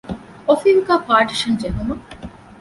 އޮފީހުގައި ޕާޓީޝަން ޖެހުމަށް